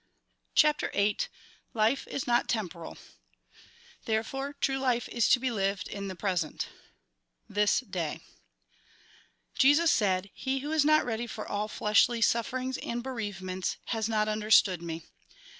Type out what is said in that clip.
CHAPTER VIII LIFE IS NOT TEMPORAL Therefore true life is to be liued in the present rzbis &aB") Jesus said :" He who is not ready for all fleshly sufferings and bereavements, has not understood me.